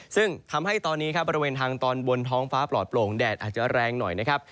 ซึ่งทำให้ตอนนี้ครับบริเวณทางตอนบนท้องฟ้าปลอดโปร่งแดดอาจจะแรงหน่อยนะครับ